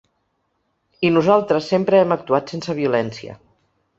I nosaltres sempre hem actuat sense violència.